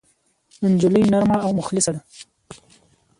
نجلۍ نرمه او مخلصه ده.